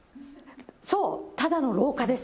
そう、ただの廊下です。